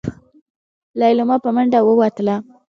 ليلما په منډه ووتله.